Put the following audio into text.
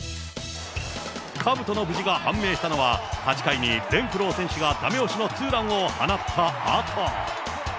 かぶとの無事が判明したのは、８回にレンフロー選手がだめ押しのツーランを放ったあと。